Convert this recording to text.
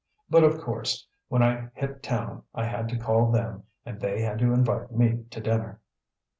But, of course, when I hit town I had to call them and they had to invite me to dinner.